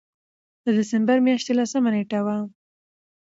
د دسمبر مياشتې لسمه نېټه وه